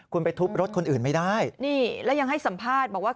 คุณไปทุบรถคนอื่นไม่ได้นี่แล้วยังให้สัมภาษณ์บอกว่า